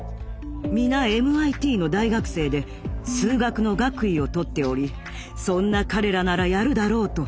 皆ＭＩＴの大学生で数学の学位を取っておりそんな彼らならやるだろうと。